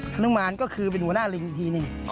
ฮานุมานก็คือเป็นหัวหน้าลิงทีนี่